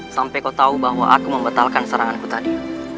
sampai kau tahu bahwa aku membatalkan seranganku tadi